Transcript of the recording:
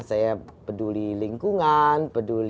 saya peduli lingkungan